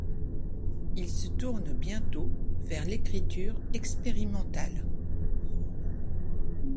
Ils se tournent bientôt vers l'écriture expérimentale.